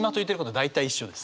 大体一緒です。